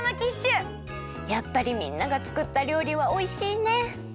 やっぱりみんながつくったりょうりはおいしいね！